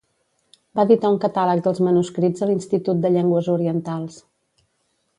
Va editar un catàleg dels manuscrits a l'Institut de Llengües Orientals.